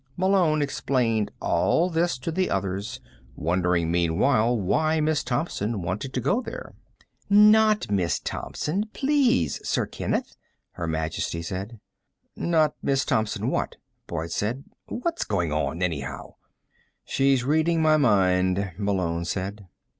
Malone explained all this to the others, wondering meanwhile why Miss Thompson wanted to go there. "Not Miss Thompson, please, Sir Kenneth," Her Majesty said. "Not Miss Thompson what?" Boyd said. "What's going on anyhow?" "She's reading my mind," Malone said.